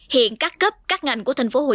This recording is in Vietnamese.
hiện các cấp các ngành của tp hcm đang triển khai